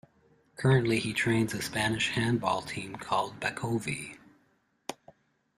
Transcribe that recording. Currently he trains a Spanish handball team called Bacovi.